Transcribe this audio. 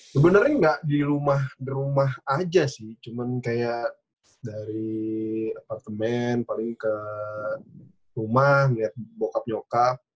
sebenarnya nggak di rumah rumah aja sih cuman kayak dari apartemen paling ke rumah ngeliat bokap nyokap